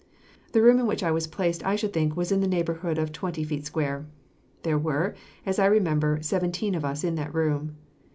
The room in which I was placed I should think was in the neighborhood of twenty feet square. There were, as I remember, seventeen of us in that room.